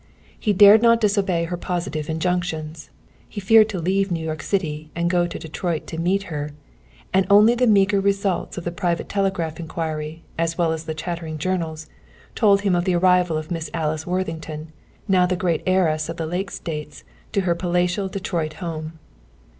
He dared not disobey her positive injunctions. He feared to leave New York City and go to Detroit to meet her, and only the meager results of private telegraphic inquiry, as well as the chattering journals, told him of the arrival of Miss Alice Worthington, now the greatest heiress of the Lake States, in her palatial Detroit home.